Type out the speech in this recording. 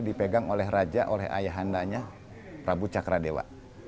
dipegang oleh raja oleh ayahandanya prabu cakradewa